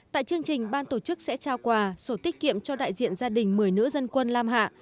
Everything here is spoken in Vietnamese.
tại chương trình ban tổ chức sẽ trao quà sổ tiết kiệm cho đại diện gia đình một mươi nữ dân quân lam hạ